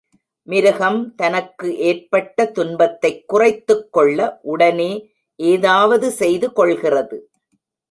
மிருகம் தனக்கு ஏற்பட்ட துன்பத்தைக் குறைத்துக் கொள்ள உடனே ஏதாவது செய்துகொள்கிறது.